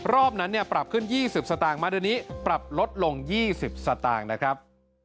รอบนั้นปรับขึ้น๒๐สตางค์มาเดือนนี้ปรับลดลง๒๐สตางค์นะครับ